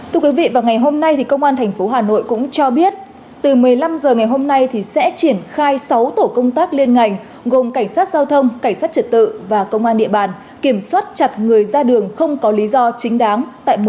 thưa quý vị vào ngày hôm nay công an tp hà nội cũng cho biết từ một mươi năm h ngày hôm nay sẽ triển khai sáu tổ công tác liên ngành gồm cảnh sát giao thông cảnh sát trật tự và công an địa bàn kiểm soát chặt người ra đường không có lý do chính đáng